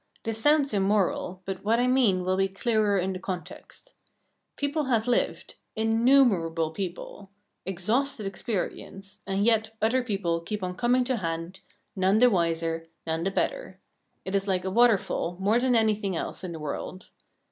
This sounds immoral, but what I mean will be clearer in the context. People have lived innumerable people exhausted experience, and yet other people keep on coming to hand, none the wiser, none the better. It is like a waterfall more than anything else in the world.